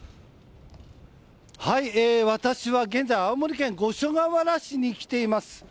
私は現在青森県五所川原市に来ています。